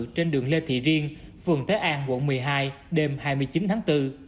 trên đường lê thị riêng phường thế an quận một mươi hai đêm hai mươi chín tháng bốn